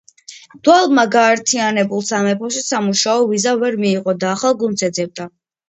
დვალმა გაერთიანებულ სამეფოში სამუშაო ვიზა ვერ მიიღო და ახალ გუნდს ეძებდა.